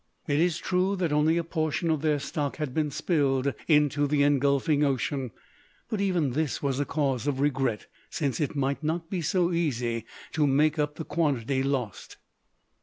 It is true that only a portion of their stock had been spilled into the engulfing ocean; but even this was a cause of regret; since it might not be so easy to make up the quantity lost.